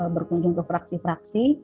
berkunjung ke fraksi fraksi